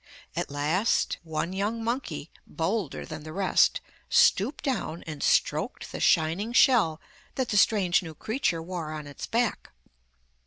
At last one young monkey, bolder than the rest, stooped down and stroked the shining shell that the strange new creature wore on its back.